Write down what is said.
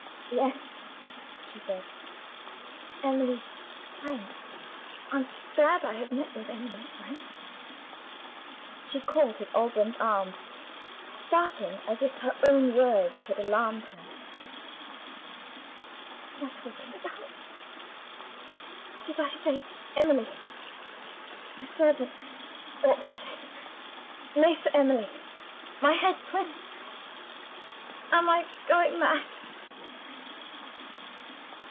"Yes," she said; "Emily's friend; I'm glad I have met with Emily's friend." She caught at Alban's arm starting as if her own words had alarmed her. "What am I talking about? Did I say 'Emily'? A servant ought to say 'Miss Emily.' My head swims. Am I going mad?"